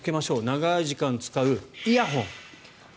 長い時間使うイヤホン。